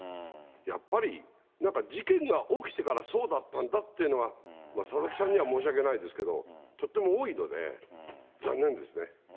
やっぱり、なんか事件が起きてからそうだったんだってのが、佐々木さんには申し訳ないですけど、とっても多いので、残念ですね。